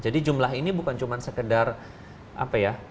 jadi jumlah ini bukan cuma sekedar apa ya